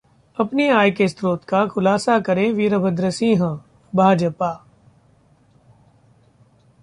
अपनी आय के स्रोत का खुलासा करें वीरभद्र सिंह: भाजपा